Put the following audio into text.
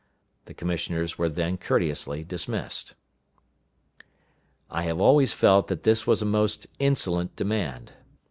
The commissioners were then courteously dismissed. I have always felt that this was a most insolent demand.